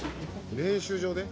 「練習場で？」